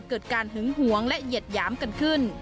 เกิดการหึงหวงและเหยียดหยามกันขึ้น